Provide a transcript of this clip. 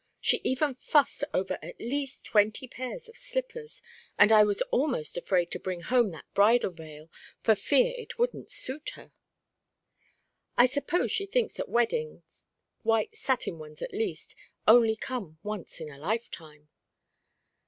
She even fussed over at least twenty pairs of slippers, and I was almost afraid to bring home that bridal veil for fear it wouldn't suit her." "I suppose she thinks that weddings, white satin ones, at least, only come once in a lifetime."